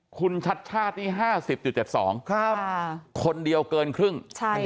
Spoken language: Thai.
คุณชัดชาตินี่๕๐๗๒คนเดียวเกินครึ่ง